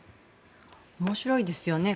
面白いですよね。